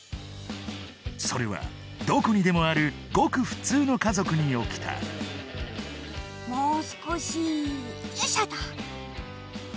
それはどこにでもあるごく普通の家族に起きたまあ